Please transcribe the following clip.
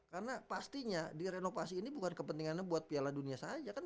karena pastinya di renovasi ini bukan kepentingannya buat piala dunia saja kan